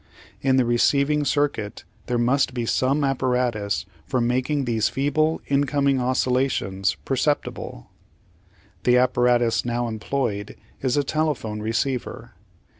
In the receiving circuit there must be some apparatus for making these feeble incoming oscillations per ceptible. The apparatus now employed is a telephone receiver.